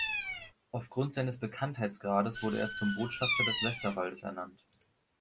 Aufgrund seines Bekanntheitsgrades wurde er zum Botschafter des Westerwaldes ernannt.